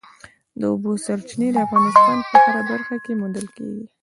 د اوبو سرچینې د افغانستان په هره برخه کې موندل کېږي.